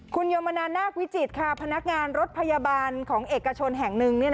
คุณโยมนานาควิจิตค่ะพนักงานรถพยาบาลของเอกชนแห่งหนึ่ง